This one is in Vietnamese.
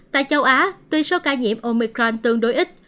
tại châu á tuy số ca nhiễm omicron tương đối ít